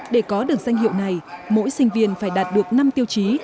để có được danh hiệu này mỗi sinh viên phải đạt được năm tiêu chí